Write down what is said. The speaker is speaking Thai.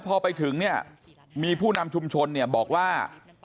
พอไปถึงมีผู้นำชุมชนบอกว่า